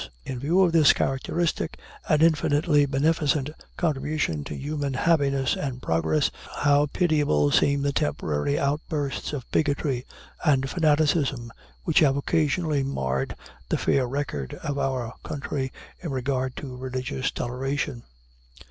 In view of this characteristic and infinitely beneficent contribution to human happiness and progress, how pitiable seem the temporary outbursts of bigotry and fanaticism which have occasionally marred the fair record of our country in regard to religious toleration!